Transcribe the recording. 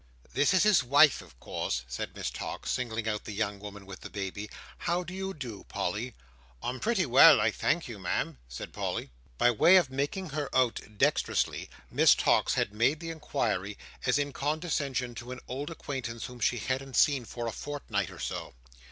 "This is his wife, of course," said Miss Tox, singling out the young woman with the baby. "How do you do, Polly?" "I'm pretty well, I thank you, Ma'am," said Polly. By way of bringing her out dexterously, Miss Tox had made the inquiry as in condescension to an old acquaintance whom she hadn't seen for a fortnight or so.